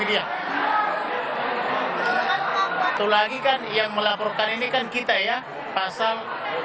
itu lagi kan yang melaporkan ini kan kita ya pasal tiga ratus empat puluh